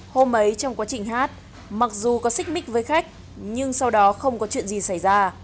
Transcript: hôm ấy trong quá trình hát mặc dù có xích mích với khách nhưng sau đó không có chuyện gì xảy ra